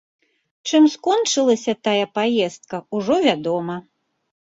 Чым скончылася тая паездка, ужо вядома.